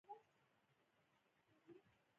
چي د بې وسه ښځو جسمونه